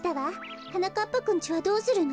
はなかっぱくんちはどうするの？